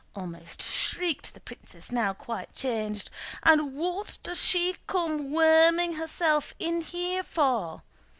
almost shrieked the princess, now quite changed. "And what does she come worming herself in here for?